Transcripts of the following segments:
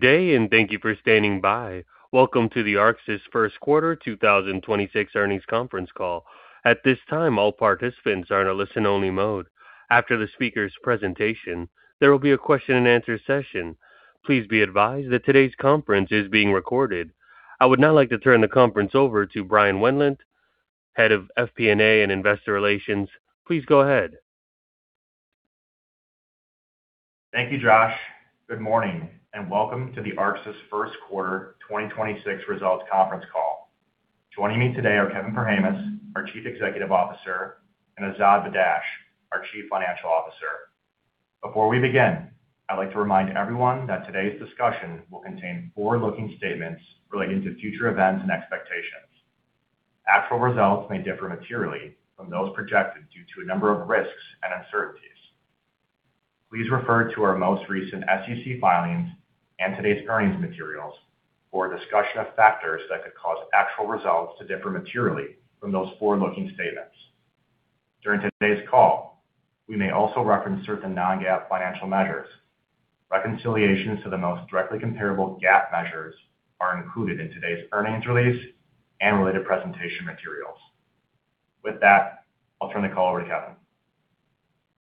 Good day, and thank you for standing by. Welcome to the Arxis first quarter 2026 earnings conference call. At this time, all participants are in a listen-only mode. After the speakers' presentation, there will be a question-and-answer session. Please be advised that today's conference is being recorded. I would now like to turn the conference over to Brian Wendlandt, Head of FP&A and Investor Relations. Please go ahead. Thank you, Josh. Good morning, and welcome to the Arxis first quarter 2026 results conference call. Joining me today are Kevin Perhamus, our Chief Executive Officer, and Azad Badakhsh, our Chief Financial Officer. Before we begin, I'd like to remind everyone that today's discussion will contain forward-looking statements relating to future events and expectations. Actual results may differ materially from those projected due to a number of risks and uncertainties. Please refer to our most recent SEC filings and today's earnings materials for a discussion of factors that could cause actual results to differ materially from those forward-looking statements. During today's call, we may also reference certain non-GAAP financial measures. Reconciliations to the most directly comparable GAAP measures are included in today's earnings release and related presentation materials. With that, I'll turn the call over to Kevin.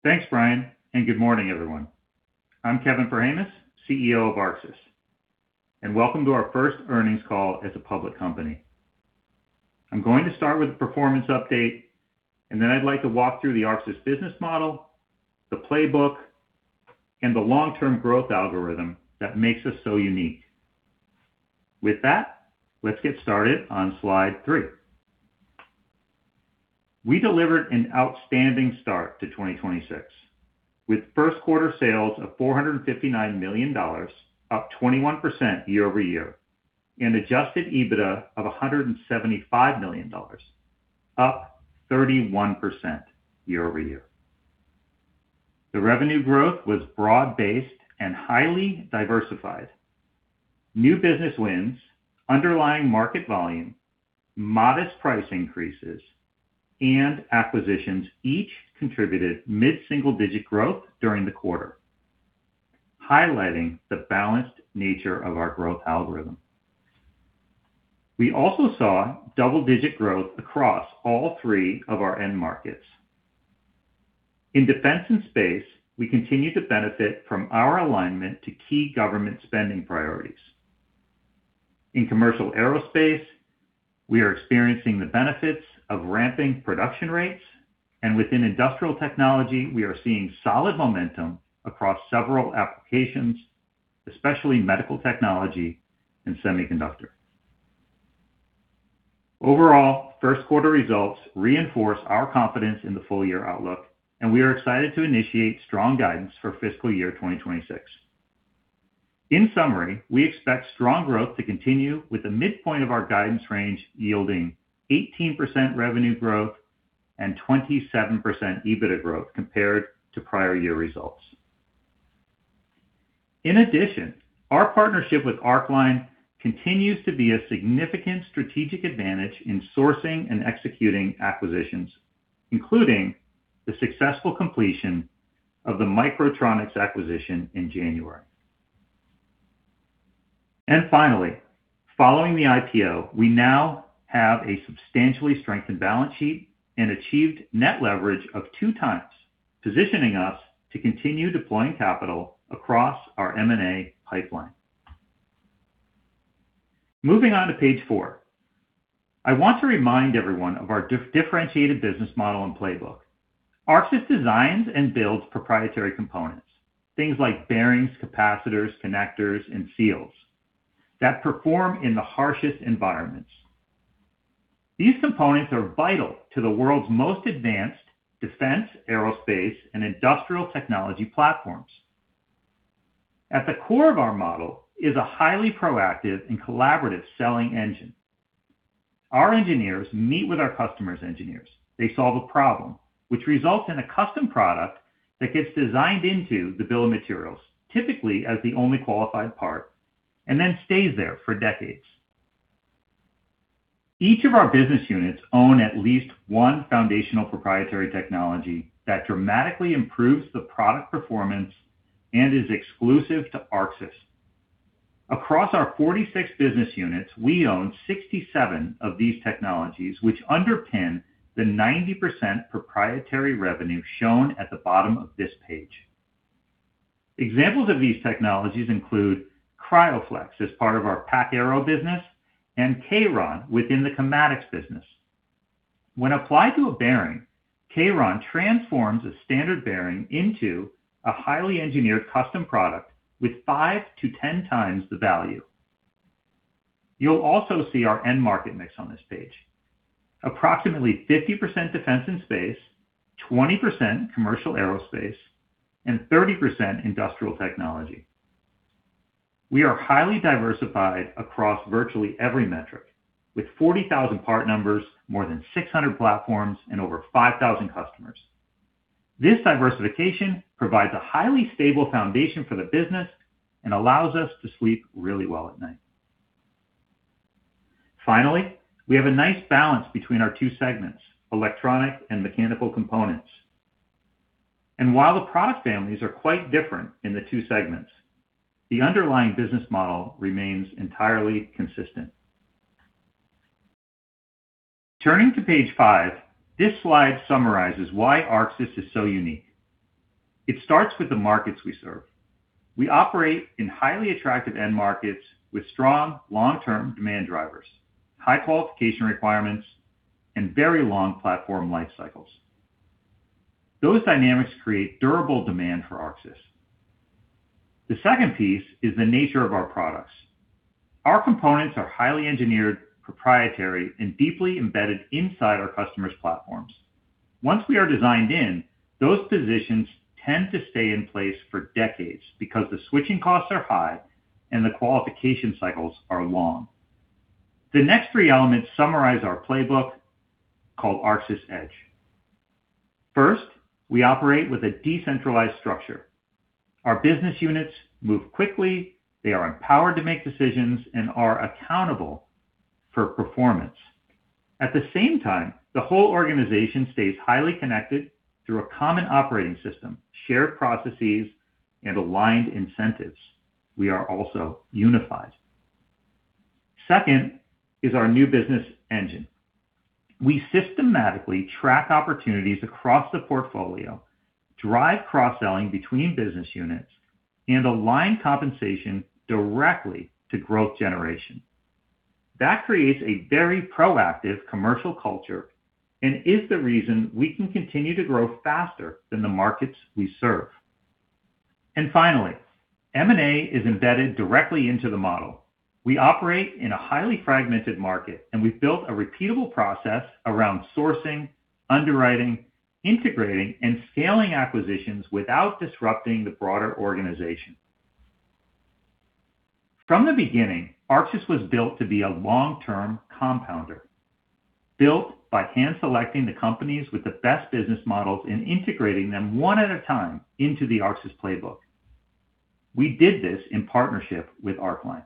Thanks, Brian, and good morning, everyone. I'm Kevin Perhamus, CEO of Arxis, and welcome to our first earnings call as a public company. I'm going to start with a performance update, and then I'd like to walk through the Arxis business model, the playbook, and the long-term growth algorithm that makes us so unique. With that, let's get started on slide three. We delivered an outstanding start to 2026, with first quarter sales of $459 million, up 21% year-over-year, and Adjusted EBITDA of $175 million, up 31% year-over-year. The revenue growth was broad-based and highly diversified. New business wins, underlying market volume, modest price increases, and acquisitions each contributed mid-single-digit growth during the quarter, highlighting the balanced nature of our growth algorithm. We also saw double-digit growth across all three of our end markets. In defense and space, we continue to benefit from our alignment to key government spending priorities. In commercial aerospace, we are experiencing the benefits of ramping production rates, and within industrial technology, we are seeing solid momentum across several applications, especially medical technology and semiconductor. Overall, first quarter results reinforce our confidence in the full year outlook, and we are excited to initiate strong guidance for fiscal year 2026. In summary, we expect strong growth to continue with the midpoint of our guidance range yielding 18% revenue growth and 27% EBITDA growth compared to prior year results. In addition, our partnership with Arcline continues to be a significant strategic advantage in sourcing and executing acquisitions, including the successful completion of the Micro-Tronics acquisition in January. Finally, following the IPO, we now have a substantially strengthened balance sheet and achieved net leverage of 2x, positioning us to continue deploying capital across our M&A pipeline. Moving on to page four. I want to remind everyone of our differentiated business model and playbook. Arxis designs and builds proprietary components, things like bearings, capacitors, connectors, and seals that perform in the harshest environments. These components are vital to the world's most advanced defense, aerospace, and industrial technology platforms. At the core of our model is a highly proactive and collaborative selling engine. Our engineers meet with our customers' engineers. They solve a problem which results in a custom product that gets designed into the bill of materials, typically as the only qualified part, and then stays there for decades. Each of our business units own at least one foundational proprietary technology that dramatically improves the product performance and is exclusive to Arxis. Across our 46 business units, we own 67 of these technologies, which underpin the 90% proprietary revenue shown at the bottom of this page. Examples of these technologies include CryoFlex as part of our Pac Aero business and K-Ron within the Comatix business. When applied to a bearing, K-Ron transforms a standard bearing into a highly engineered custom product with 5-10x the value. You'll also see our end market mix on this page. Approximately 50% defense and space, 20% commercial aerospace, and 30% industrial technology. We are highly diversified across virtually every metric with 40,000 part numbers, more than 600 platforms, and over 5,000 customers. This diversification provides a highly stable foundation for the business and allows us to sleep really well at night. Finally, we have a nice balance between our two segments, Electronic and Mechanical Components. While the product families are quite different in the two segments, the underlying business model remains entirely consistent. Turning to page five, this slide summarizes why Arxis is so unique. It starts with the markets we serve. We operate in highly attractive end markets with strong long-term demand drivers, high qualification requirements, and very long platform life cycles. Those dynamics create durable demand for Arxis. The second piece is the nature of our products. Our components are highly engineered, proprietary, and deeply embedded inside our customers' platforms. Once we are designed in, those positions tend to stay in place for decades because the switching costs are high and the qualification cycles are long. The next three elements summarize our playbook, called Arxis EDGE. First, we operate with a decentralized structure. Our business units move quickly, they are empowered to make decisions, and are accountable for performance. At the same time, the whole organization stays highly connected through a common operating system, shared processes, and aligned incentives. We are also unified. Second is our new business engine. We systematically track opportunities across the portfolio, drive cross-selling between business units, and align compensation directly to growth generation. That creates a very proactive commercial culture and is the reason we can continue to grow faster than the markets we serve. Finally, M&A is embedded directly into the model. We operate in a highly fragmented market, and we've built a repeatable process around sourcing, underwriting, integrating, and scaling acquisitions without disrupting the broader organization. From the beginning, Arxis was built to be a long-term compounder, built by hand-selecting the companies with the best business models and integrating them one at a time into the Arxis playbook. We did this in partnership with Arcline.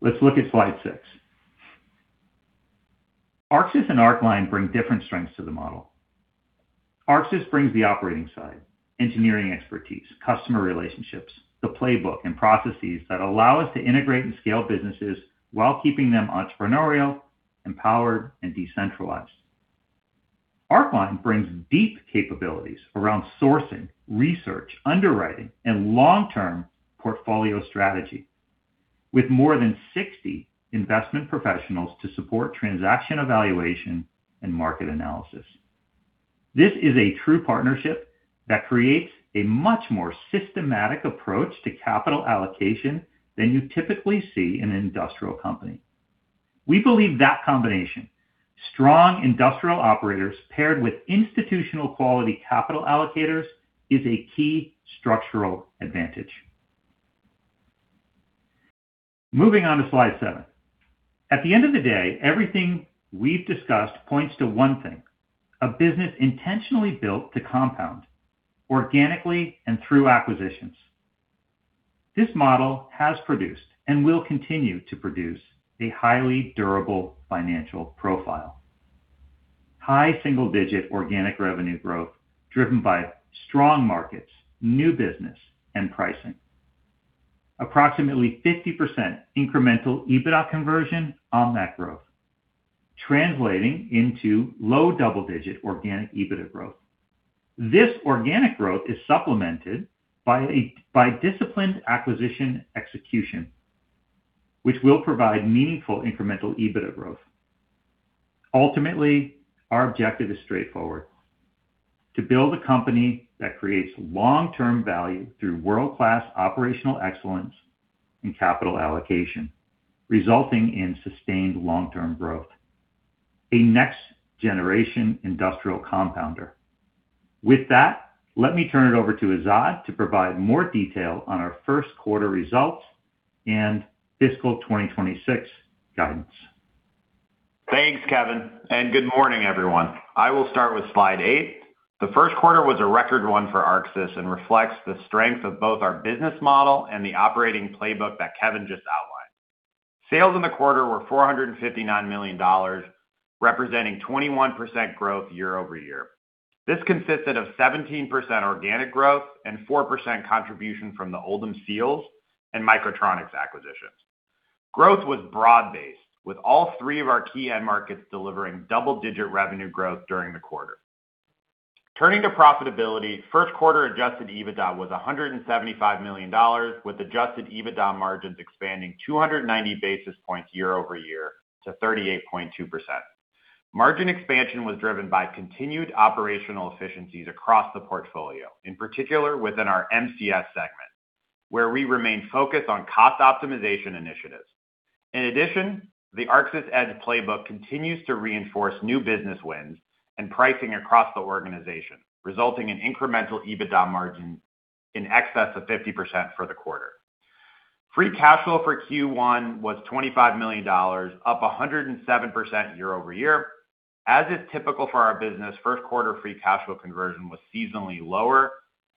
Let's look at slide six. Arxis and Arcline bring different strengths to the model. Arxis brings the operating side, engineering expertise, customer relationships, the playbook and processes that allow us to integrate and scale businesses while keeping them entrepreneurial, empowered, and decentralized. Arcline brings deep capabilities around sourcing, research, underwriting, and long-term portfolio strategy, with more than 60 investment professionals to support transaction evaluation and market analysis. This is a true partnership that creates a much more systematic approach to capital allocation than you typically see in an industrial company. We believe that combination, strong industrial operators paired with institutional-quality capital allocators, is a key structural advantage. Moving on to slide seven. At the end of the day, everything we've discussed points to one thing: a business intentionally built to compound organically and through acquisitions. This model has produced and will continue to produce a highly durable financial profile. High single-digit organic revenue growth driven by strong markets, new business, and pricing. Approximately 50% incremental EBITDA conversion on that growth, translating into low double-digit organic EBITDA growth. This organic growth is supplemented by disciplined acquisition execution, which will provide meaningful incremental EBITDA growth. Ultimately, our objective is straightforward: to build a company that creates long-term value through world-class operational excellence and capital allocation, resulting in sustained long-term growth. A next-generation industrial compounder. With that, let me turn it over to Azad to provide more detail on our first quarter results and fiscal 2026 guidance. Thanks, Kevin. Good morning, everyone. I will start with slide eight. The first quarter was a record one for Arxis and reflects the strength of both our business model and the operating playbook that Kevin just outlined. Sales in the quarter were $459 million, representing 21% growth year-over-year. This consisted of 17% organic growth and 4% contribution from the Oldham Seals and Micro-Tronics acquisitions. Growth was broad-based, with all three of our key end markets delivering double-digit revenue growth during the quarter. Turning to profitability, first quarter Adjusted EBITDA was $175 million, with Adjusted EBITDA margins expanding 290 basis points year-over-year to 38.2%. Margin expansion was driven by continued operational efficiencies across the portfolio, in particular within our MCS segment, where we remain focused on cost optimization initiatives. In addition, the Arxis EDGE playbook continues to reinforce new business wins and pricing across the organization, resulting in incremental EBITDA margin in excess of 50% for the quarter. Free cash flow for Q1 was $25 million, up 107% year-over-year. As is typical for our business, first quarter free cash flow conversion was seasonally lower.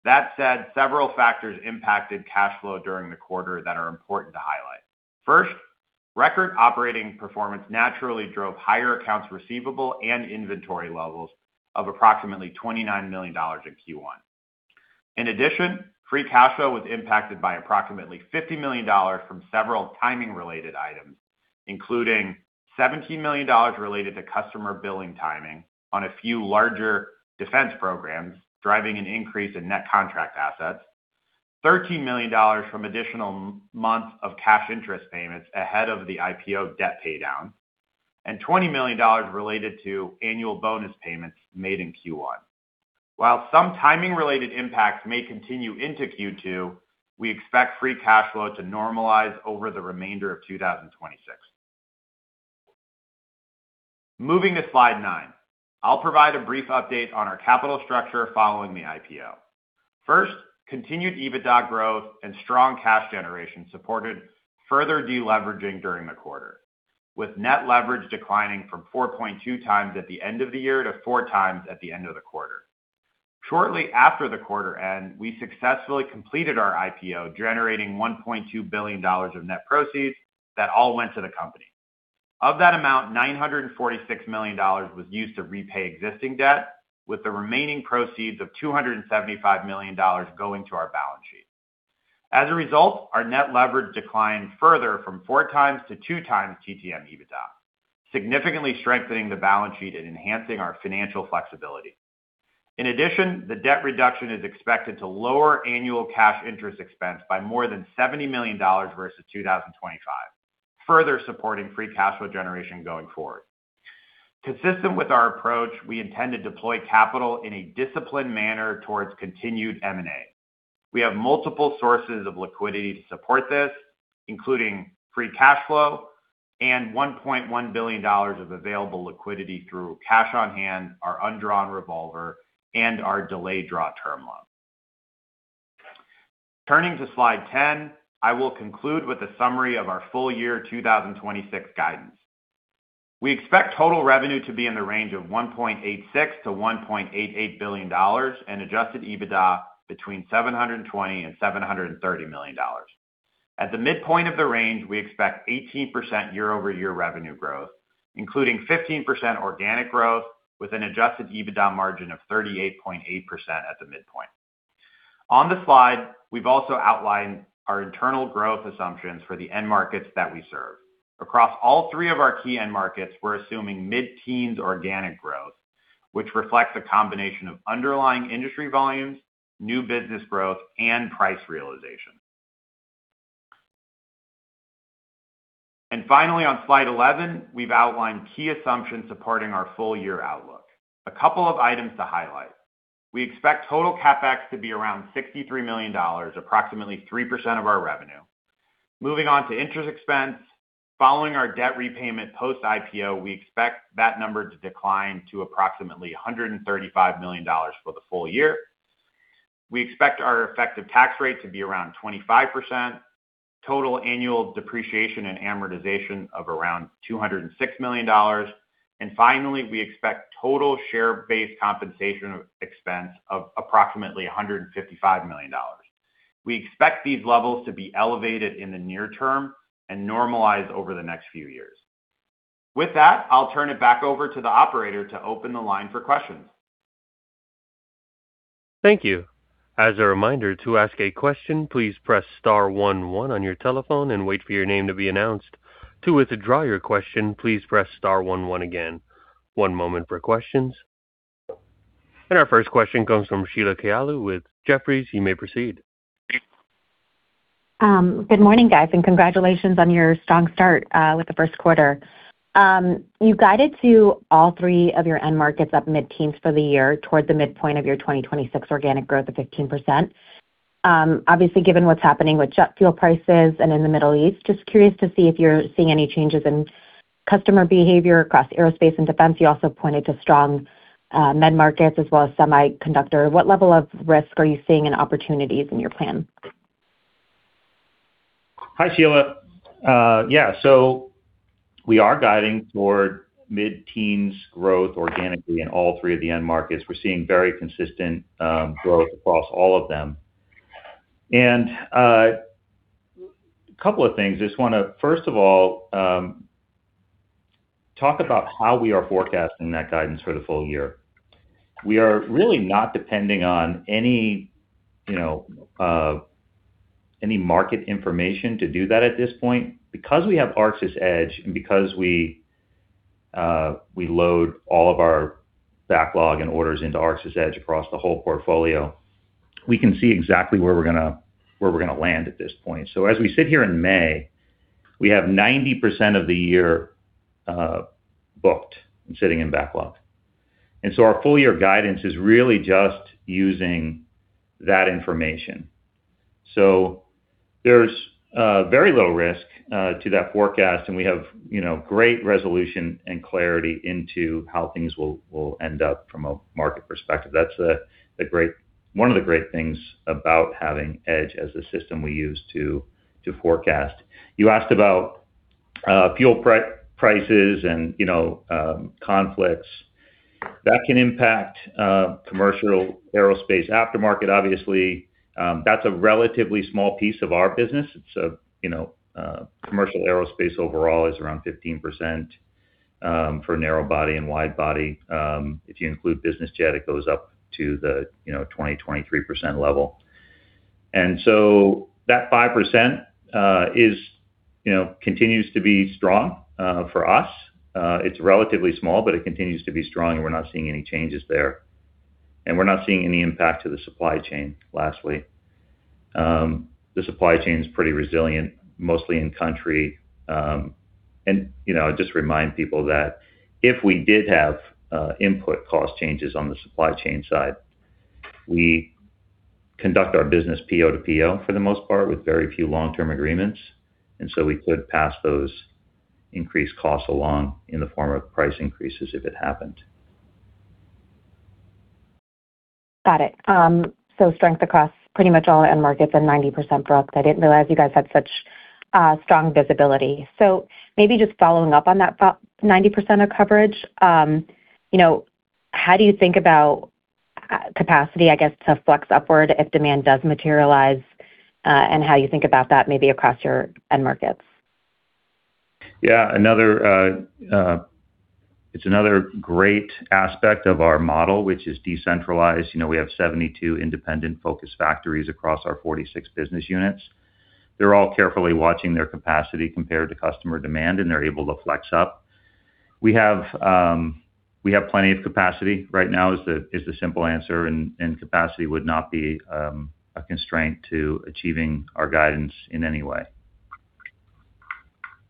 That said, several factors impacted cash flow during the quarter that are important to highlight. First, record operating performance naturally drove higher accounts receivable and inventory levels of approximately $29 million in Q1. In addition, free cash flow was impacted by approximately $50 million from several timing-related items, including $17 million related to customer billing timing on a few larger defense programs, driving an increase in net contract assets. $13 million from additional months of cash interest payments ahead of the IPO debt paydown, and $20 million related to annual bonus payments made in Q1. While some timing-related impacts may continue into Q2, we expect free cash flow to normalize over the remainder of 2026. Moving to slide nine, I'll provide a brief update on our capital structure following the IPO. First, continued EBITDA growth and strong cash generation supported further deleveraging during the quarter, with net leverage declining from 4.2x at the end of the year to 4x at the end of the quarter. Shortly after the quarter end, we successfully completed our IPO, generating $1.2 billion of net proceeds that all went to the company. Of that amount, $946 million was used to repay existing debt, with the remaining proceeds of $275 million going to our balance sheet. As a result, our net leverage declined further from four times to two times TTM EBITDA, significantly strengthening the balance sheet and enhancing our financial flexibility. The debt reduction is expected to lower annual cash interest expense by more than $70 million versus 2025, further supporting free cash flow generation going forward. We intend to deploy capital in a disciplined manner towards continued M&A. We have multiple sources of liquidity to support this, including free cash flow and $1.1 billion of available liquidity through cash on hand, our undrawn revolver, and our delayed draw term loan. I will conclude with a summary of our full year 2026 guidance. We expect total revenue to be in the range of $1.86 billion-$1.88 billion, and Adjusted EBITDA between $720 and $730 million. At the midpoint of the range, we expect 18% year-over-year revenue growth, including 15% organic growth, with an Adjusted EBITDA margin of 38.8% at the midpoint. On the slide, we've also outlined our internal growth assumptions for the end markets that we serve. Across all three of our key end markets, we're assuming mid-teens organic growth, which reflects a combination of underlying industry volumes, new business growth, and price realization. Finally, on slide 11, we've outlined key assumptions supporting our full-year outlook. A couple of items to highlight. We expect total CapEx to be around $63 million, approximately 3% of our revenue. Moving on to interest expense. Following our debt repayment post-IPO, we expect that number to decline to approximately $135 million for the full year. We expect our effective tax rate to be around 25%, total annual depreciation and amortization of around $206 million, and finally, we expect total share-based compensation expense of approximately $155 million. We expect these levels to be elevated in the near term and normalize over the next few years. With that, I'll turn it back over to the operator to open the line for questions. Our first question comes from Sheila Kahyaoglu with Jefferies. You may proceed. Good morning, guys, and congratulations on your strong start with the first quarter. You guided to all three of your end markets up mid-teens for the year toward the midpoint of your 2026 organic growth of 15%. Obviously, given what's happening with jet fuel prices and in the Middle East, just curious to see if you're seeing any changes in customer behavior across aerospace and defense? You also pointed to strong Medical markets as well as semiconductor. What level of risk are you seeing and opportunities in your plan? Hi, Sheila. Yeah. We are guiding toward mid-teens growth organically in all three of the end markets. We're seeing very consistent growth across all of them. A couple of things, just want to, first of all, talk about how we are forecasting that guidance for the full-year. We are really not depending on any market information to do that at this point. We have Arxis EDGE and because we load all of our backlog and orders into Arxis EDGE across the whole portfolio, we can see exactly where we're going to land at this point. As we sit here in May, we have 90% of the year booked and sitting in backlog. Our full-year guidance is really just using that information. There's very low risk to that forecast, and we have great resolution and clarity into how things will end up from a market perspective. That's one of the great things about having EDGE as the system we use to. To forecast. You asked about fuel prices and conflicts. That can impact commercial aerospace aftermarket. Obviously, that's a relatively small piece of our business. Commercial aerospace overall is around 15% for narrow body and wide body. If you include business jet, it goes up to the 20%-23% level. That 5% continues to be strong for us. It's relatively small, but it continues to be strong and we're not seeing any changes there. We're not seeing any impact to the supply chain, lastly. The supply chain's pretty resilient, mostly in country. I just remind people that if we did have input cost changes on the supply chain side, we conduct our business PO to PO for the most part with very few long-term agreements. We could pass those increased costs along in the form of price increases if it happened. Got it. Strength across pretty much all end markets and 90% booked. I didn't realize you guys had such strong visibility. Maybe just following up on that 90% of coverage. How do you think about capacity, I guess, to flex upward if demand does materialize? How you think about that maybe across your end markets? It's another great aspect of our model, which is decentralized. We have 72 independent focus factories across our 46 business units. They're all carefully watching their capacity compared to customer demand, and they're able to flex up. We have plenty of capacity right now is the simple answer, and capacity would not be a constraint to achieving our guidance in any way.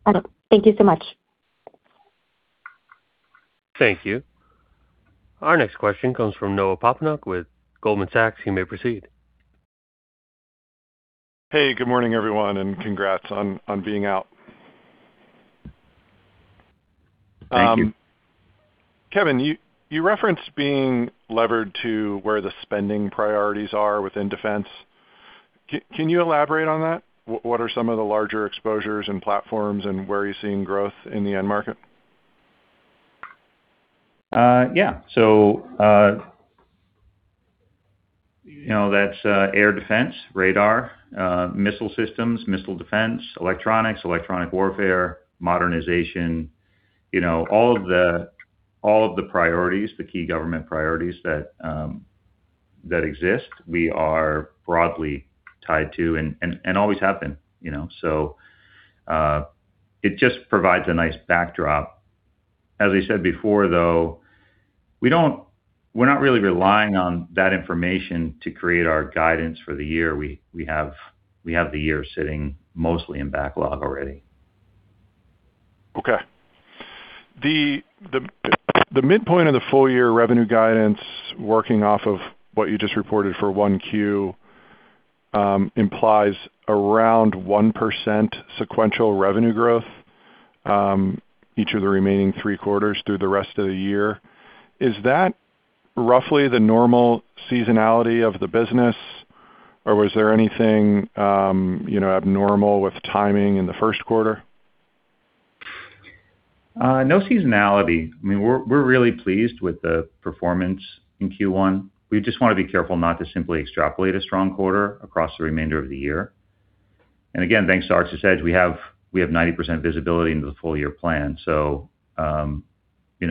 Got it. Thank you so much. Thank you. Our next question comes from Noah Poponak with Goldman Sachs. You may proceed. Hey, good morning everyone, and congrats on being out. Thank you. Kevin, you referenced being levered to where the spending priorities are within defense. Can you elaborate on that? What are some of the larger exposures and platforms, and where are you seeing growth in the end market? Yeah. That's air defense, radar, missile systems, missile defense, electronics, electronic warfare, modernization. All of the priorities, the key government priorities that exist, we are broadly tied to and always have been. It just provides a nice backdrop. As I said before, though, we're not really relying on that information to create our guidance for the year. We have the year sitting mostly in backlog already. Okay. The midpoint of the full year revenue guidance, working off of what you just reported for 1Q, implies around 1% sequential revenue growth, each of the remaining three quarters through the rest of the year. Is that roughly the normal seasonality of the business, or was there anything abnormal with timing in the first quarter? No seasonality. I mean, we're really pleased with the performance in Q1. We just want to be careful not to simply extrapolate a strong quarter across the remainder of the year. Again, thanks to Arxis EDGE, we have 90% visibility into the full year plan.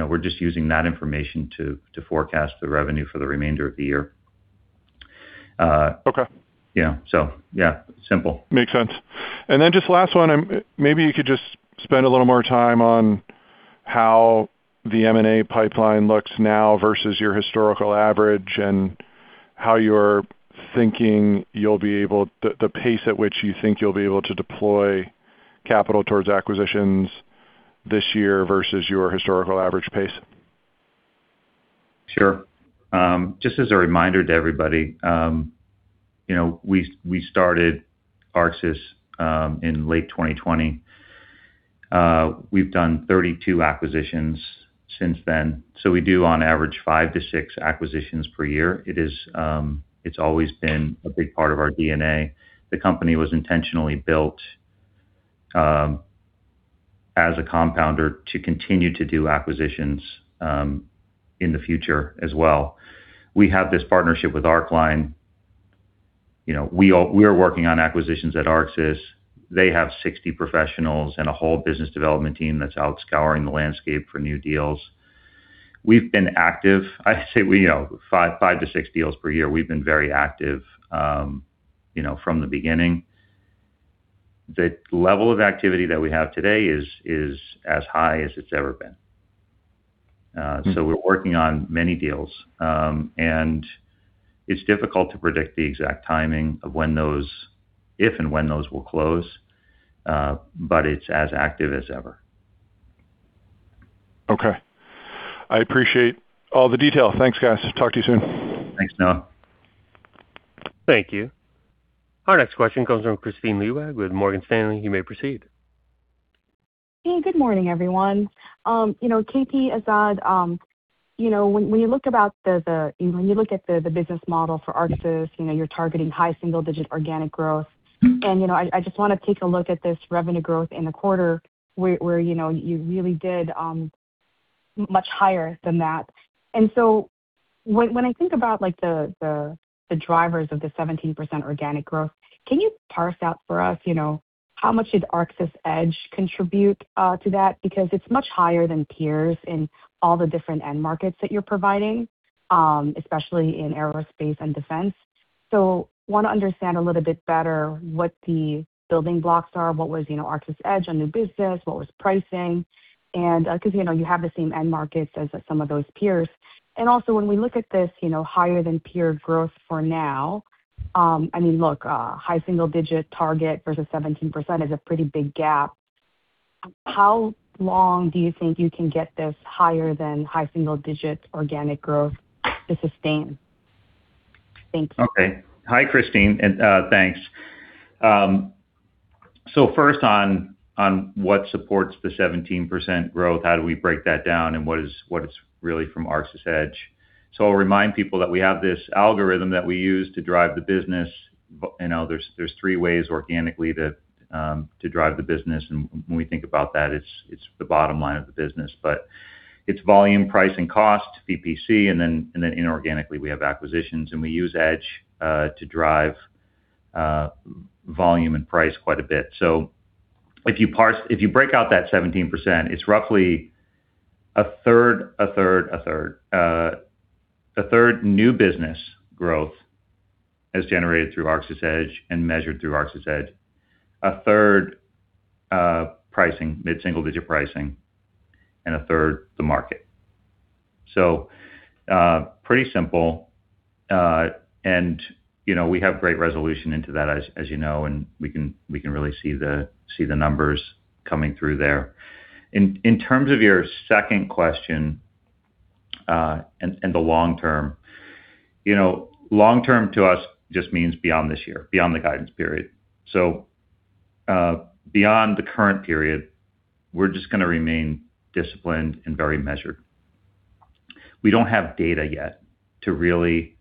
We're just using that information to forecast the revenue for the remainder of the year. Okay. Yeah. Yeah, simple. Makes sense. Then just last one, maybe you could just spend a little more time on how the M&A pipeline looks now versus your historical average, and how you're thinking the pace at which you think you'll be able to deploy capital towards acquisitions this year versus your historical average pace. Sure. Just as a reminder to everybody, we started Arxis in late 2020. We've done 32 acquisitions since then. We do, on average, five to six acquisitions per year. It's always been a big part of our DNA. The company was intentionally built as a compounder to continue to do acquisitions in the future as well. We have this partnership with Arcline. We are working on acquisitions at Arxis. They have 60 professionals and a whole business development team that's out scouring the landscape for new deals. We've been active. I'd say five to six deals per year. We've been very active from the beginning. The level of activity that we have today is as high as it's ever been. We're working on many deals. It's difficult to predict the exact timing of if and when those will close, but it's as active as ever. Okay. I appreciate all the detail. Thanks, guys. Talk to you soon. Thanks, Noah. Thank you. Our next question comes from Kristine Liwag with Morgan Stanley. You may proceed. Hey, good morning, everyone. KP, Azad, when you look at the business model for Arxis, you're targeting high single-digit organic growth. I just want to take a look at this revenue growth in the quarter where you really did much higher than that. When I think about the drivers of the 17% organic growth, can you parse out for us, how much did Arxis EDGE contribute to that? It's much higher than peers in all the different end markets that you're providing, especially in aerospace and defense. Want to understand a little bit better what the building blocks are, what was Arxis EDGE on new business, what was pricing, because you have the same end markets as some of those peers. Also when we look at this higher than peer growth for now, look, high single digit target versus 17% is a pretty big gap. How long do you think you can get this higher than high single digits organic growth to sustain? Thank you. Okay. Hi, Kristine, and thanks. First on what supports the 17% growth, how do we break that down and what is really from Arxis EDGE. I'll remind people that we have this algorithm that we use to drive the business. There's three ways organically to drive the business, and when we think about that, it's the bottom line of the business. It's volume, price, and cost, VPC, and then inorganically, we have acquisitions, and we use EDGE to drive volume and price quite a bit. If you break out that 17%, it's roughly 1/3:1/3:1/3. A third new business growth as generated through Arxis EDGE and measured through Arxis EDGE, 1/3 mid-single-digit pricing, and 1/3 the market. Pretty simple, and we have great resolution into that as you know, and we can really see the numbers coming through there. In terms of your second question, and the long term. Long term to us just means beyond this year, beyond the guidance period. Beyond the current period, we're just going to remain disciplined and very measured. We don't have data yet to really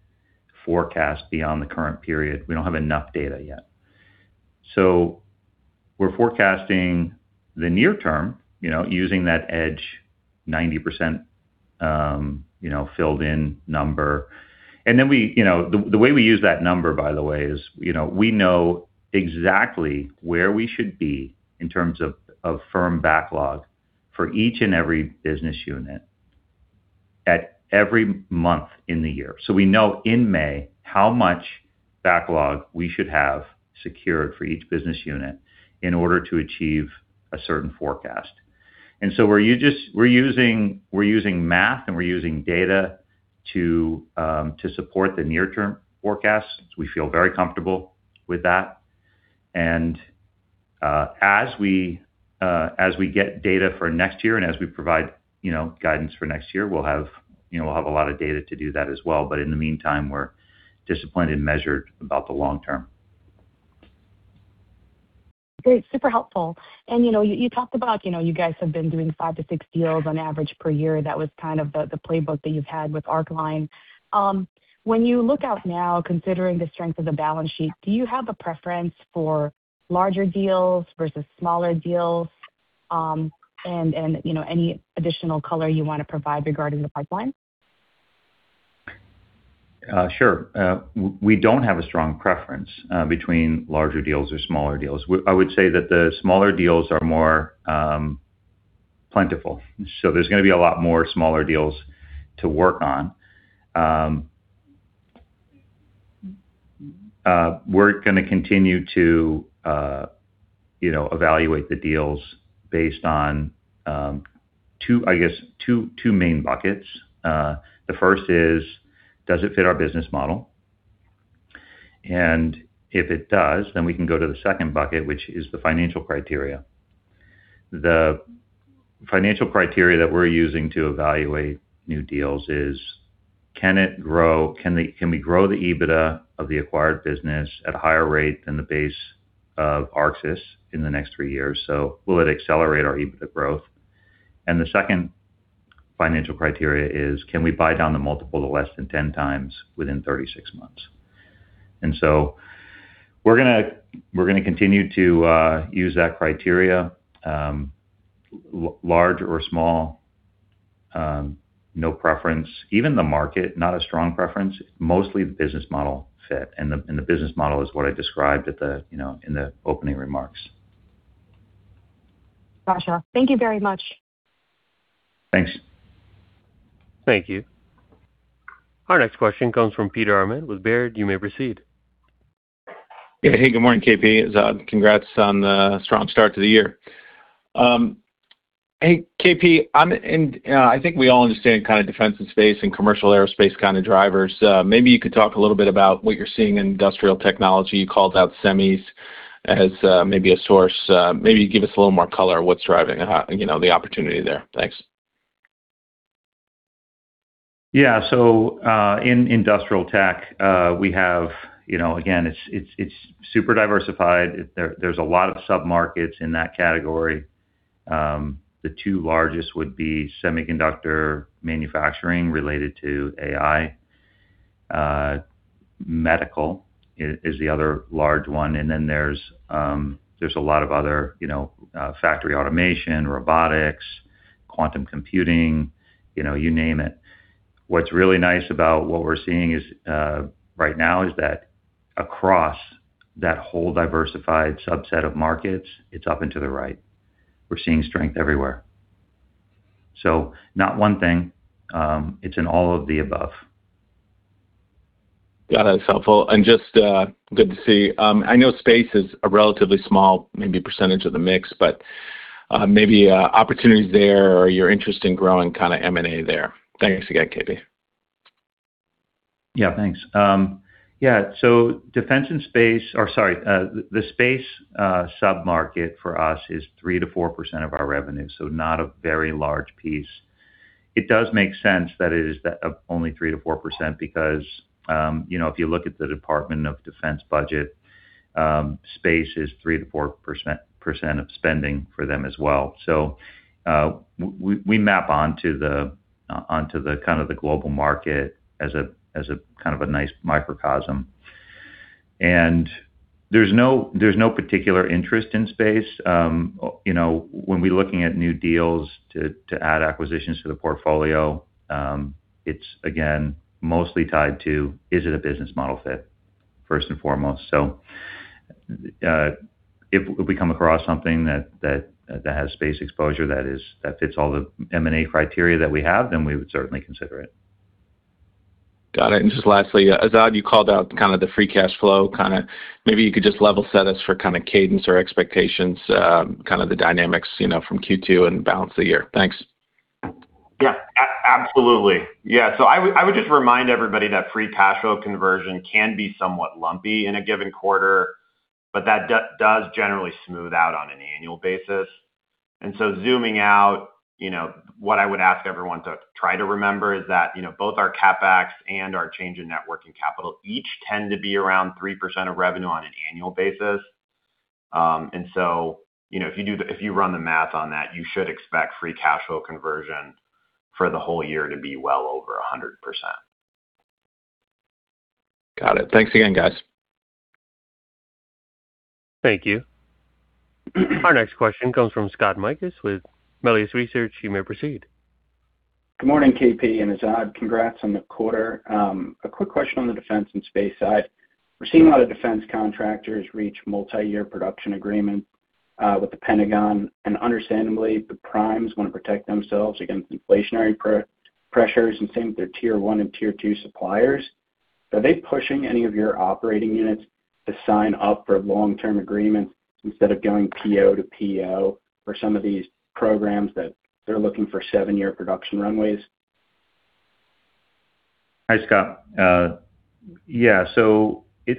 forecast beyond the current period. We don't have enough data yet. We're forecasting the near term, using that Arxis EDGE 90% filled in number. The way we use that number, by the way is we know exactly where we should be in terms of firm backlog for each and every business unit at every month in the year. We know in May how much backlog we should have secured for each business unit in order to achieve a certain forecast. We're using math, and we're using data to support the near-term forecast, so we feel very comfortable with that. As we get data for next year and as we provide guidance for next year, we'll have a lot of data to do that as well. In the meantime, we're disciplined and measured about the long term. Great. Super helpful. You talked about you guys have been doing five to six deals on average per year. That was kind of the playbook that you've had with Arcline. When you look out now, considering the strength of the balance sheet, do you have a preference for larger deals versus smaller deals? Any additional color you want to provide regarding the pipeline? Sure. We don't have a strong preference between larger deals or smaller deals. I would say that the smaller deals are more plentiful. There's going to be a lot more smaller deals to work on. We're going to continue to evaluate the deals based on, I guess, two main buckets. The first is, does it fit our business model? If it does, then we can go to the second bucket, which is the financial criteria. The financial criteria that we're using to evaluate new deals is, can we grow the EBITDA of the acquired business at a higher rate than the base of Arxis in the next three years? Will it accelerate our EBITDA growth? The second financial criteria is, can we buy down the multiple to less than 10x within 36 months? We're going to continue to use that criteria large or small, no preference. Even the market, not a strong preference, mostly the business model fit. The business model is what I described in the opening remarks. Got you. Thank you very much. Thanks. Thank you. Our next question comes from Peter Arment with Baird. You may proceed. Yeah. Hey, good morning, KP. Azad, congrats on the strong start to the year. Hey, KP, I think we all understand kind of defense and space and commercial aerospace kind of drivers. Maybe you could talk a little bit about what you're seeing in industrial technology. You called out semis as maybe a source. Maybe give us a little more color on what's driving the opportunity there. Thanks. Yeah. In industrial tech, again, it's super diversified. There's a lot of sub-markets in that category. The two largest would be semiconductor manufacturing related to AI. Medical is the other large one, and then there's a lot of other factory automation, robotics, quantum computing, you name it. What's really nice about what we're seeing right now is that across that whole diversified subset of markets, it's up and to the right. We're seeing strength everywhere. Not one thing, it's in all of the above. Got it. That's helpful and just good to see. I know space is a relatively small, maybe percentage of the mix, but maybe opportunities there or your interest in growing kind of M&A there. Thanks again, KP. Thanks. The space sub-market for us is 3%-4% of our revenue, so not a very large piece. It does make sense that it is only 3%-4% because, if you look at the Department of Defense budget, space is 3%-4% of spending for them as well. We map onto the kind of the global market as a kind of a nice microcosm. There's no particular interest in space. When we're looking at new deals to add acquisitions to the portfolio, it's again, mostly tied to, is it a business model fit first and foremost? If we come across something that has space exposure that fits all the M&A criteria that we have, then we would certainly consider it. Got it. Just lastly, Azad Badakhsh, you called out kind of the free cash flow. Maybe you could just level set us for kind of cadence or expectations, kind of the dynamics from Q2 and balance of the year. Thanks. Absolutely. I would just remind everybody that free cash flow conversion can be somewhat lumpy in a given quarter, but that does generally smooth out on an annual basis. Zooming out, what I would ask everyone to try to remember is that, both our CapEx and our change in net working capital each tend to be around 3% of revenue on an annual basis. If you run the math on that, you should expect free cash flow conversion for the whole year to be well over 100%. Got it. Thanks again, guys. Thank you. Our next question comes from Scott Mikus with Melius Research. You may proceed. Good morning, KP and Azad. Congrats on the quarter. A quick question on the defense and space side. We're seeing a lot of defense contractors reach multi-year production agreement with the Pentagon. Understandably, the primes want to protect themselves against inflationary pressures and same with their tier one and tier two suppliers. Are they pushing any of your operating units to sign up for long-term agreements instead of going PO to PO for some of these programs that they're looking for seven-year production runways? Hi, Scott. Yeah.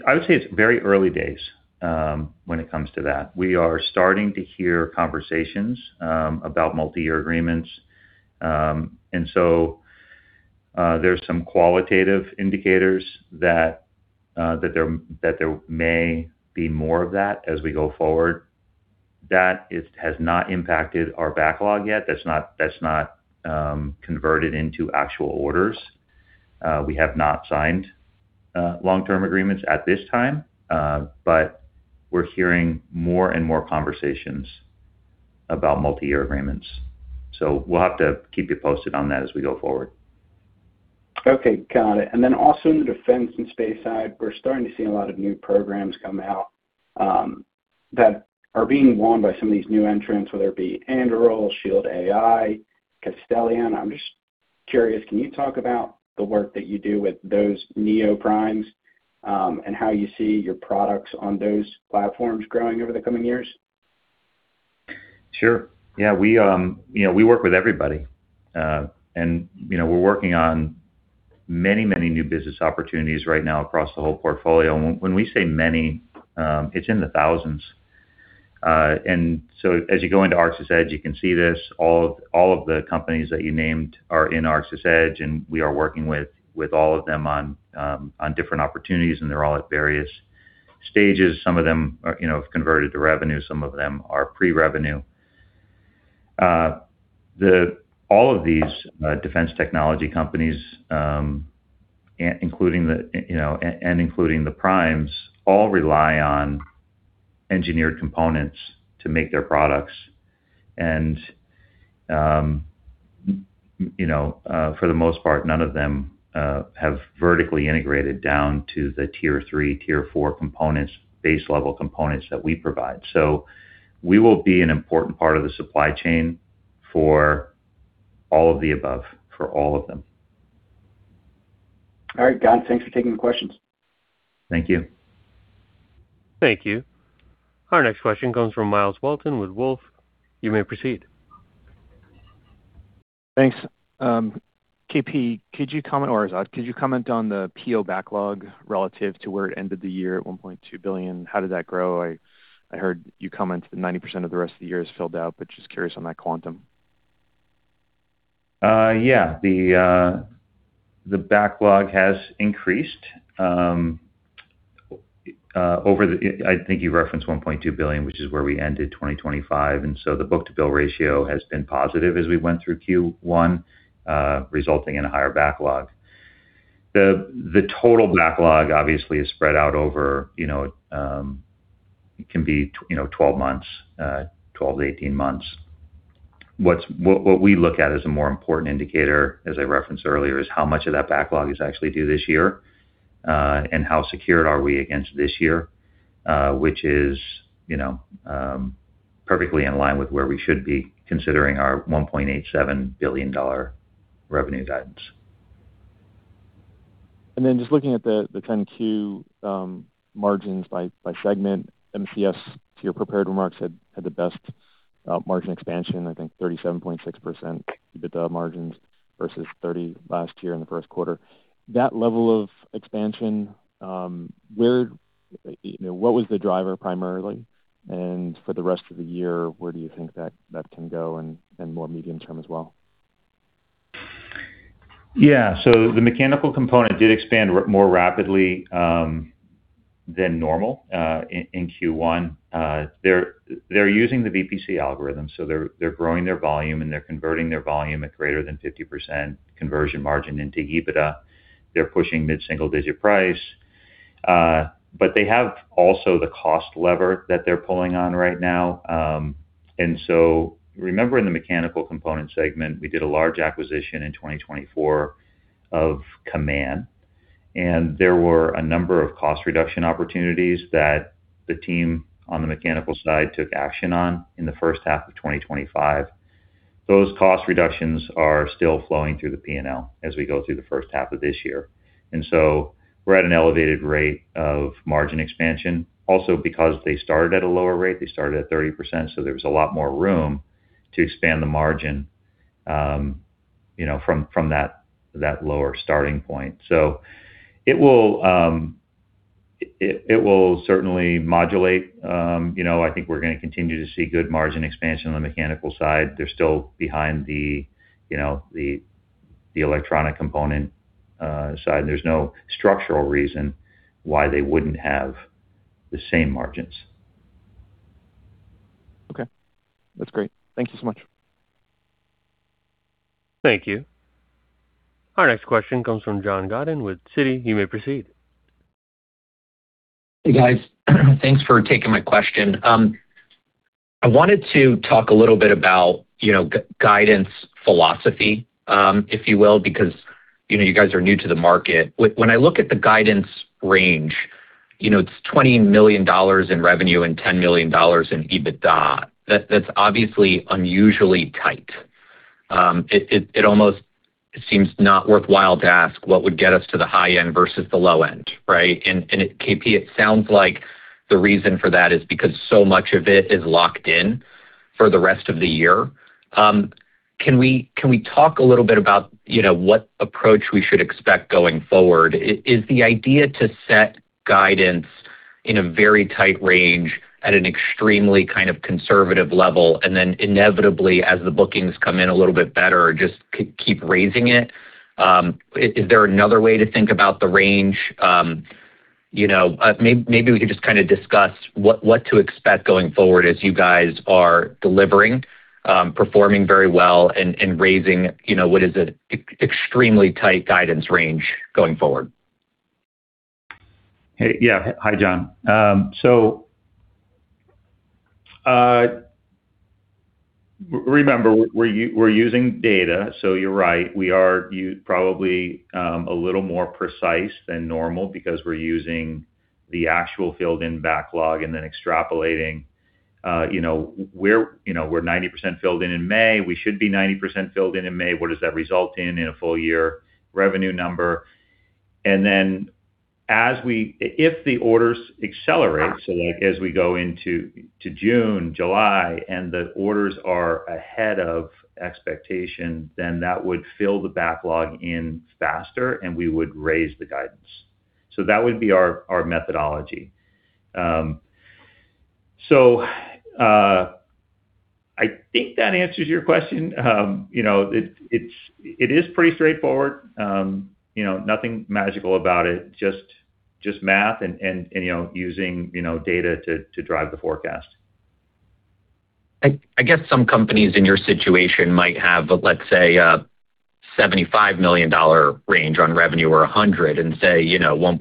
I would say it's very early days, when it comes to that. We are starting to hear conversations about multi-year agreements. There's some qualitative indicators that there may be more of that as we go forward. That has not impacted our backlog yet. That's not converted into actual orders. We have not signed long-term agreements at this time. We're hearing more and more conversations about multi-year agreements, so we'll have to keep you posted on that as we go forward. Okay. Got it. Also in the defense and space side, we're starting to see a lot of new programs come out, that are being won by some of these new entrants, whether it be Anduril, Shield AI, Castelion. I'm just curious, can you talk about the work that you do with those neo-primes, and how you see your products on those platforms growing over the coming years? Sure. Yeah, we work with everybody. We're working on many new business opportunities right now across the whole portfolio. When we say many, it's in the thousands. As you go into Adjusted EBITDA, you can see this. All of the companies that you named are in Arxis EDGE, we are working with all of them on different opportunities, they're all at various stages. Some of them have converted to revenue. Some of them are pre-revenue. All of these defense technology companies, including the primes, all rely on engineered components to make their products. For the most part, none of them have vertically integrated down to the tier three, tier four base level components that we provide. We will be an important part of the supply chain for all of the above, for all of them. All right. Guys, thanks for taking the questions. Thank you. Thank you. Our next question comes from Myles Walton with Wolfe. You may proceed. Thanks. KP or Azad, could you comment on the PO backlog relative to where it ended the year at $1.2 billion? How did that grow? I heard you comment that 90% of the rest of the year is filled out, but just curious on that quantum. Yeah. The backlog has increased. I think you referenced $1.2 billion, which is where we ended 2025, and so the book-to-bill ratio has been positive as we went through Q1, resulting in a higher backlog. The total backlog obviously is spread out over, it can be 12 months, 12-18 months. What we look at as a more important indicator, as I referenced earlier, is how much of that backlog is actually due this year, and how secured are we against this year, which is perfectly in line with where we should be considering our $1.87 billion revenue guidance. Then just looking at the kind of Q margins by segment, MCS, to your prepared remarks, had the best margin expansion, I think 37.6% EBITDA margins versus 30% last year in the first quarter. That level of expansion, what was the driver primarily? For the rest of the year, where do you think that can go and more medium term as well? The Mechanical Components did expand more rapidly than normal in Q1. They're using the VPC algorithm, so they're growing their volume, and they're converting their volume at greater than 50% conversion margin into EBITDA. They're pushing mid-single digit price. They have also the cost lever that they're pulling on right now. Remember in the Mechanical Components segment, we did a large acquisition in 2024 of Command, and there were a number of cost reduction opportunities that the team on the mechanical side took action on in the first half of 2025. Those cost reductions are still flowing through the P&L as we go through the first half of this year. We're at an elevated rate of margin expansion. Because they started at a lower rate, they started at 30%, so there was a lot more room to expand the margin from that lower starting point. It will certainly modulate. I think we're going to continue to see good margin expansion on the mechanical side. They're still behind the Electronic Component side, there's no structural reason why they wouldn't have the same margins. Okay. That's great. Thank you so much. Thank you. Our next question comes from John Godyn with Citi. You may proceed. Hey, guys. Thanks for taking my question. I wanted to talk a little bit about guidance philosophy, if you will, because you guys are new to the market. When I look at the guidance range, it's $20 million in revenue and $10 million in EBITDA. That's obviously unusually tight. It almost seems not worthwhile to ask what would get us to the high end versus the low end, right? K.P it sounds like the reason for that is because so much of it is locked in for the rest of the year. Can we talk a little bit about what approach we should expect going forward? Is the idea to set guidance in a very tight range at an extremely kind of conservative level, and then inevitably, as the bookings come in a little bit better, just keep raising it? Is there another way to think about the range? Maybe we could just discuss what to expect going forward as you guys are delivering, performing very well and raising what is an extremely tight guidance range going forward. Hey, yeah. Hi, John. Remember, we're using data, so you're right, we are probably a little more precise than normal because we're using the actual filled-in backlog and then extrapolating. We're 90% filled in May. We should be 90% filled in May. What does that result in a full year revenue number? Then if the orders accelerate, so like as we go into June, July, and the orders are ahead of expectation, then that would fill the backlog in faster, and we would raise the guidance. That would be our methodology. I think that answers your question. It is pretty straightforward. Nothing magical about it, just math and using data to drive the forecast. I guess some companies in your situation might have, let's say, a $75 million range on revenue or $100 million and say $1.86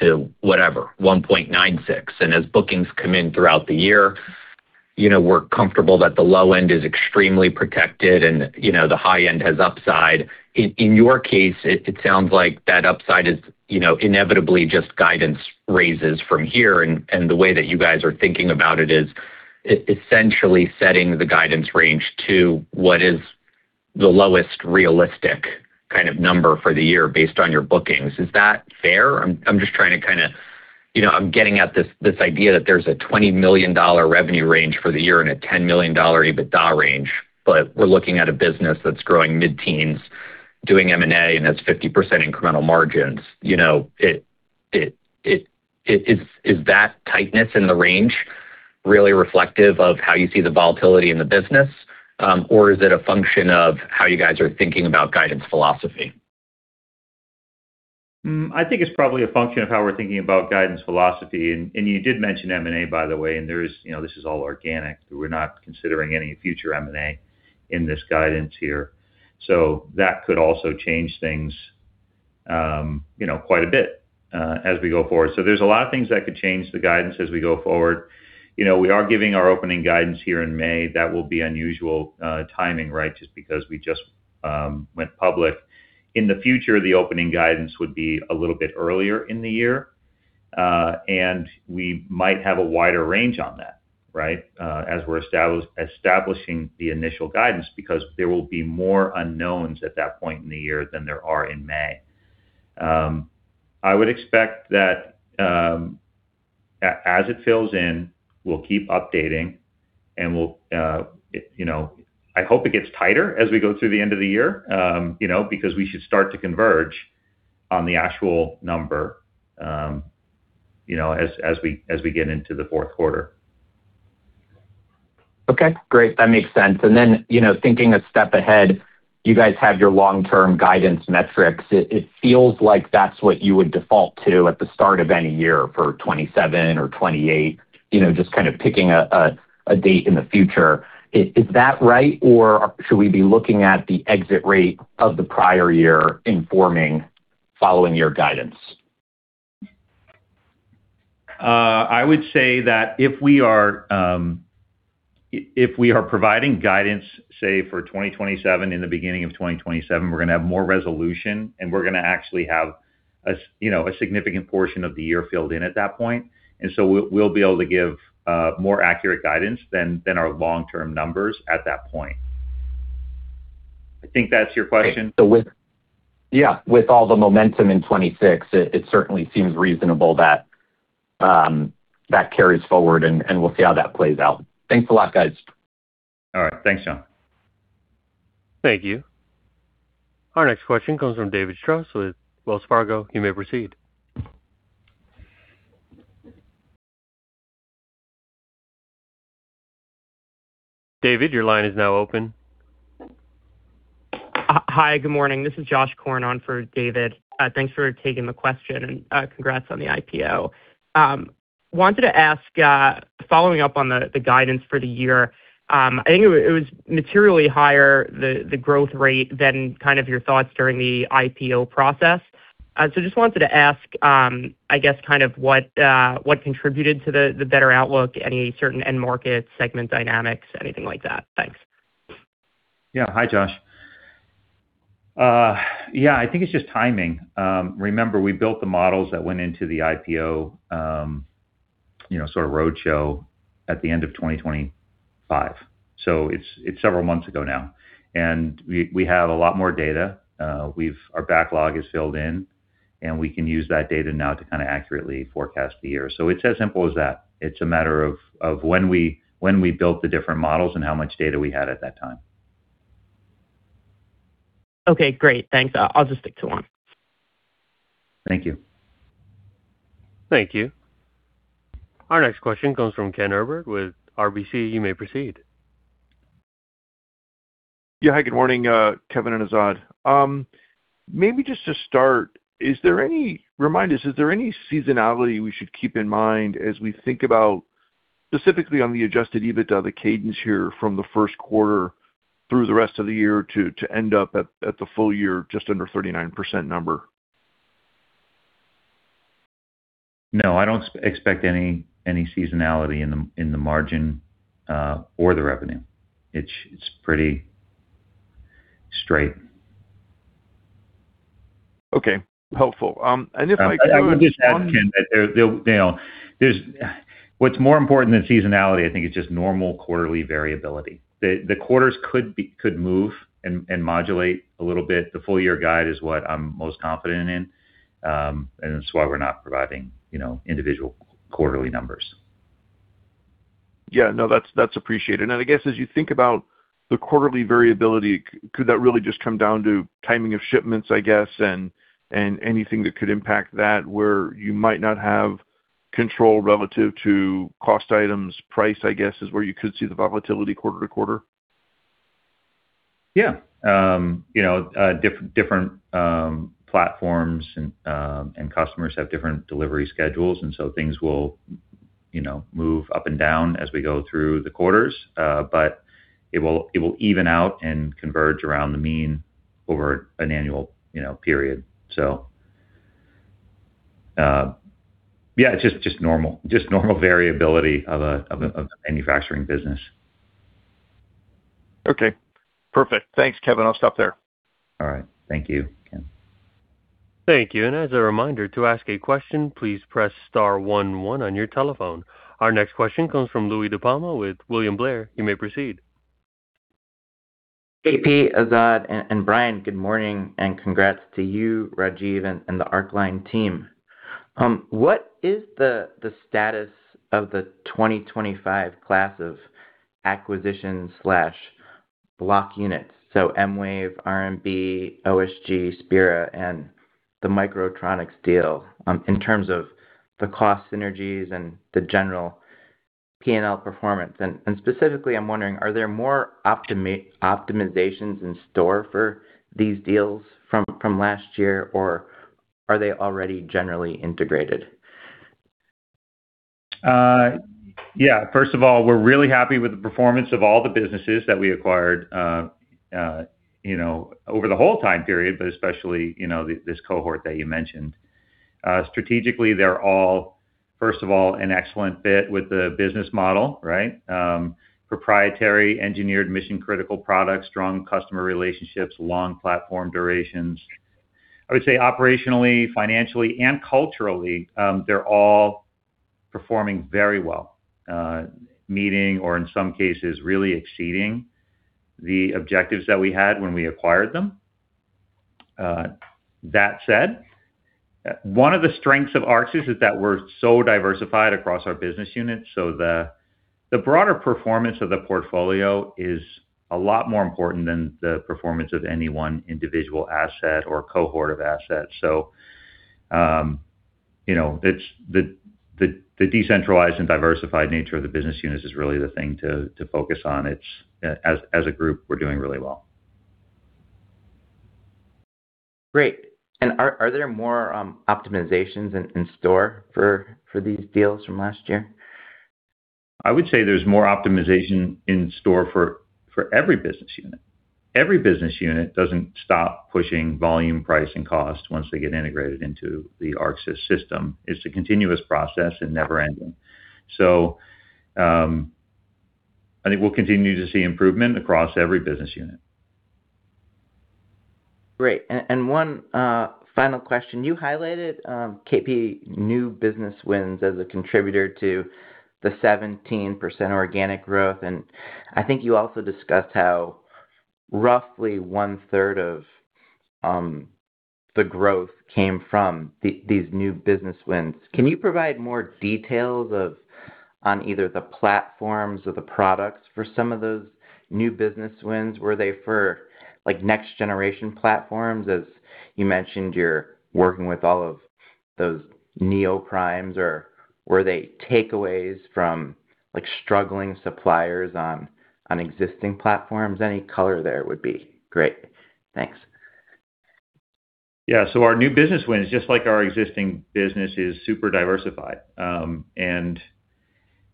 billion to whatever, $1.96 billion, and as bookings come in throughout the year, we're comfortable that the low end is extremely protected and the high end has upside. In your case, it sounds like that upside is inevitably just guidance raises from here, and the way that you guys are thinking about it is essentially setting the guidance range to what is the lowest realistic kind of number for the year based on your bookings. Is that fair? I'm getting at this idea that there's a $20 million revenue range for the year and a $10 million EBITDA range, but we're looking at a business that's growing mid-teens doing M&A, and has 50% incremental margins. Is that tightness in the range really reflective of how you see the volatility in the business? Or is it a function of how you guys are thinking about guidance philosophy? I think it's probably a function of how we're thinking about guidance philosophy, and you did mention M&A, by the way, and this is all organic. We're not considering any future M&A in this guidance here. That could also change things quite a bit as we go forward. There's a lot of things that could change the guidance as we go forward. We are giving our opening guidance here in May. That will be unusual timing, right? Just because we just went public. In the future, the opening guidance would be a little bit earlier in the year. We might have a wider range on that, right? As we're establishing the initial guidance, because there will be more unknowns at that point in the year than there are in May. I would expect that as it fills in, we'll keep updating and I hope it gets tighter as we go through the end of the year, because we should start to converge on the actual number as we get into the fourth quarter. Okay, great. That makes sense. Thinking a step ahead, you guys have your long-term guidance metrics. It feels like that's what you would default to at the start of any year for 2027 or 2028, just kind of picking a date in the future. Is that right, or should we be looking at the exit rate of the prior year in forming following year guidance? I would say that if we are providing guidance, say, for 2027, in the beginning of 2027, we're going to have more resolution, and we're going to actually have a significant portion of the year filled in at that point. We'll be able to give more accurate guidance than our long-term numbers at that point. I think that's your question. Yeah. With all the momentum in 2026, it certainly seems reasonable that carries forward. We'll see how that plays out. Thanks a lot, guys. All right. Thanks, John. Thank you. Our next question comes from David Strauss with Wells Fargo. Hi, good morning. This is Joshua Korn on for David Strauss. Thanks for taking the question and congrats on the IPO. Wanted to ask, following up on the guidance for the year. I think it was materially higher, the growth rate, than kind of your thoughts during the IPO process. Just wanted to ask, I guess kind of what contributed to the better outlook, any certain end market segment dynamics, anything like that. Thanks. Yeah. Hi, Josh. Yeah, I think it's just timing. Remember, we built the models that went into the IPO sort of roadshow at the end of 2025. It's several months ago now. We have a lot more data. Our backlog is filled in, and we can use that data now to kind of accurately forecast the year. It's as simple as that. It's a matter of when we built the different models and how much data we had at that time. Okay, great. Thanks. I'll just stick to one. Thank you. Thank you. Our next question comes from Kenneth Herbert with RBC. You may proceed. Yeah. Hi, good morning, Kevin and Azad. Maybe just to start, remind us, is there any seasonality we should keep in mind as we think about specifically on the Adjusted EBITDA, the cadence here from the first quarter through the rest of the year to end up at the full year just under 39% number? No, I don't expect any seasonality in the margin or the revenue. It's pretty straight. Okay. Helpful. I would just add, Ken, what's more important than seasonality, I think it's just normal quarterly variability. The quarters could move and modulate a little bit. The full year guide is what I'm most confident in. It's why we're not providing individual quarterly numbers. Yeah. No, that's appreciated. I guess as you think about the quarterly variability, could that really just come down to timing of shipments, I guess, and anything that could impact that where you might not have control relative to cost items, price, I guess, is where you could see the volatility quarter to quarter? Different platforms and customers have different delivery schedules. Things will move up and down as we go through the quarters. It will even out and converge around the mean over an annual period. It's just normal variability of a manufacturing business. Okay. Perfect. Thanks, Kevin. I'll stop there. All right. Thank you, Ken. Thank you. As a reminder, to ask a question, please press star one one on your telephone. Our next question comes from Louie DiPalma with William Blair. You may proceed. KP, Azad, and Brian, good morning, and congrats to you, Rajeev and the Arcline team. What is the status of the 2025 class of acquisition/block units, so M-Wave, RMB, OSG, Spira, and the Micro-Tronics deal, in terms of the cost synergies and the general P&L performance. Specifically, I'm wondering, are there more optimizations in store for these deals from last year, or are they already generally integrated? First of all, we're really happy with the performance of all the businesses that we acquired over the whole time period, but especially this cohort that you mentioned. Strategically, they're all, first of all, an excellent fit with the business model, right? Proprietary, engineered, mission-critical products, strong customer relationships, long platform durations. I would say operationally, financially, and culturally, they're all performing very well, meeting or in some cases really exceeding the objectives that we had when we acquired them. One of the strengths of Arxis is that we're so diversified across our business units, so the broader performance of the portfolio is a lot more important than the performance of any one individual asset or cohort of assets. The decentralized and diversified nature of the business units is really the thing to focus on. As a group, we're doing really well. Great. Are there more optimizations in store for these deals from last year? I would say there's more optimization in store for every business unit. Every business unit doesn't stop pushing volume, price, and cost once they get integrated into the Arxis system. It's a continuous process and never-ending. I think we'll continue to see improvement across every business unit. Great. One final question. You highlighted, KP, new business wins as a contributor to the 17% organic growth. I think you also discussed how roughly one-third of the growth came from these new business wins. Can you provide more details on either the platforms or the products for some of those new business wins? Were they for next generation platforms, as you mentioned you're working with all of those neo-primes, or were they takeaways from struggling suppliers on existing platforms? Any color there would be great. Thanks. Our new business wins, just like our existing business, is super diversified.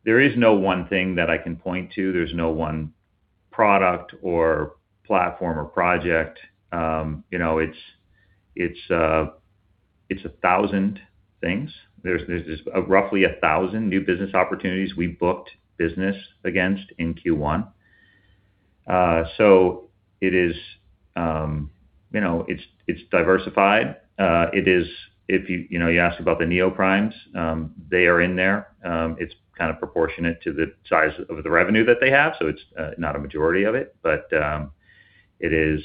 There is no one thing that I can point to. There's no one product or platform or project. It's 1,000 things. There's roughly 1,000 new business opportunities we booked business against in Q1. It's diversified. You asked about the neo-primes. They are in there. It's kind of proportionate to the size of the revenue that they have, so it's not a majority of it, but it is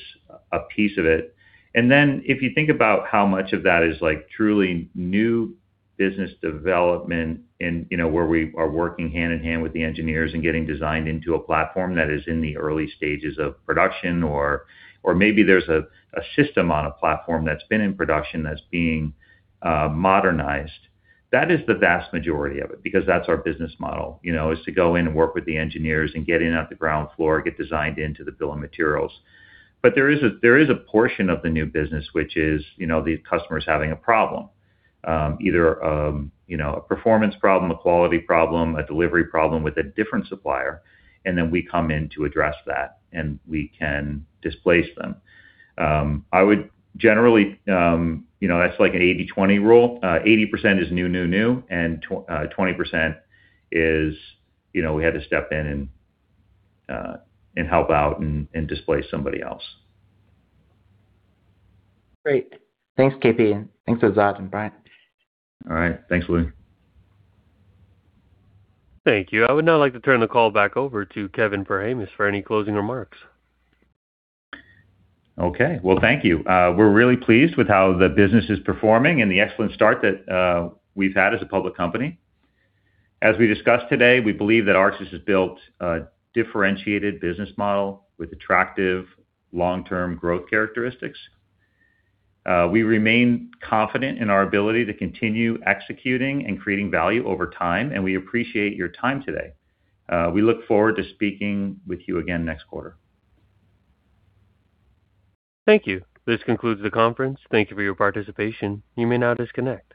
a piece of it. If you think about how much of that is truly new business development and where we are working hand in hand with the engineers and getting designed into a platform that is in the early stages of production or maybe there's a system on a platform that's been in production that's being modernized, that is the vast majority of it, because that's our business model, is to go in and work with the engineers and get in at the ground floor, get designed into the bill of materials. There is a portion of the new business which is the customer's having a problem, either a performance problem, a quality problem, a delivery problem with a different supplier, and then we come in to address that, and we can displace them. That's like an 80/20 rule. 80% is new, and 20% is we had to step in and help out and displace somebody else. Great. Thanks, K.P., and thanks, Azad and Brian. All right. Thanks, Louie. Thank you. I would now like to turn the call back over to Kevin Perhamus for any closing remarks. Okay. Well, thank you. We're really pleased with how the business is performing and the excellent start that we've had as a public company. As we discussed today, we believe that Arxis has built a differentiated business model with attractive long-term growth characteristics. We remain confident in our ability to continue executing and creating value over time, and we appreciate your time today. We look forward to speaking with you again next quarter. Thank you. This concludes the conference. Thank you for your participation. You may now disconnect.